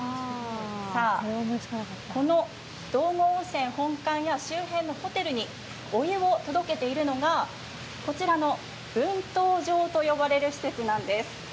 この道後温泉本館や周辺のホテルにお湯を届けているのが、こちらの分湯場と呼ばれる施設なんです。